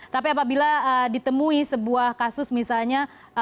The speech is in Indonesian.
tapi apabila ditemui sebuah kasus misalnya